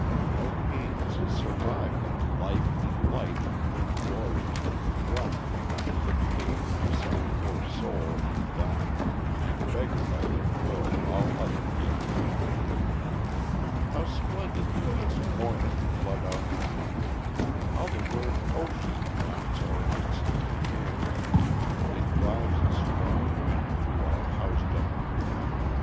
No pains Survive when "Life" and "Light," twin glories, run From the quick page to some poor soul undone, And beggar by their glow all other gains. How splendidly does "Morning" flood our night! How the word "Ocean" drowns our insect cares, And drives a strong wind through our housed up grief.